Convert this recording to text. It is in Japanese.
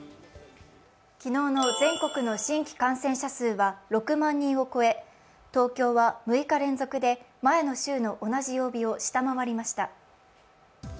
昨日の全国の新規感染者数は６万人を超え東京は６日連続で前の週の同じ曜日を下回りました。